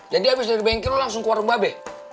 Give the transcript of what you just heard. jadi abis dari bengkel lu langsung keluar rumah be